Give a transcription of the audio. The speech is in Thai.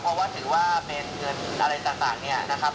เพราะว่าถือว่าเป็นเงินอะไรต่างเนี่ยนะครับ